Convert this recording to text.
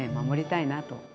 守りたいなと。